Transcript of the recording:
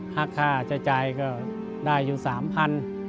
ค่าใช้จ่ายก็ได้อยู่๓๐๐บาท